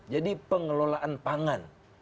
jadi pengelolaan pangan